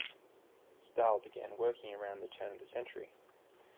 Staal began working around the turn of the century.